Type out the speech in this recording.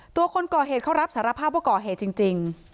คนก่อเหตุเขารับสารภาพว่าก่อเหตุจริง